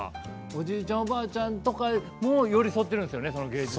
おじいちゃん、おばあちゃんにも寄り添っているんですよね。